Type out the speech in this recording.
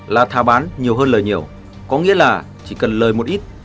là thà bán nhiều hơn lời nhiều có nghĩa là chỉ cần lời một ít